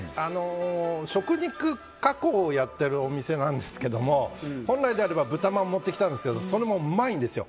食肉加工をやってるお店なんですけども本来であれば、ぶたまんを持ってきたかったんですがそれもうまいんですよ。